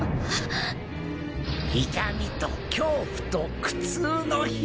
痛みと恐怖と苦痛の悲鳴。